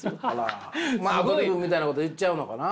アドリブみたいなこと言っちゃうのかな？